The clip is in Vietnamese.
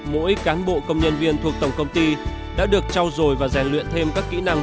mỗi cán bộ công nhân viên thuộc tổng công ty đã được trao dồi và rèn luyện thêm các kỹ năng